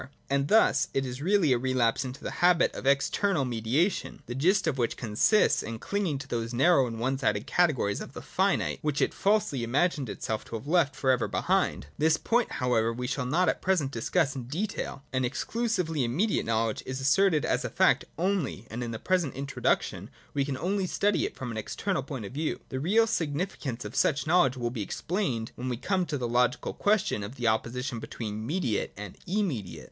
And thus it is really a relapse into the habit of external mediation, the gist of which consists in clinging to those narrow and one sided categories of the finite, which it falsely imagined itself to have left for ever behind. This point, however, we shall not at present discuss in 65, 66.] EXCLUSIVENESS OP INTUITIONALISM. 129 detail. An exclusively immediate knowledge is asserted as a fact pnly, and in the present Introduction we can only study it from this external point of view. The real significance of such knowledge will be explained, when we come to the logical question of the opposition be tween mediate and immediate.